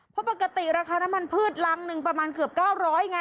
เพราะปกติราคาน้ำมันพืชรังหนึ่งประมาณเกือบ๙๐๐ไง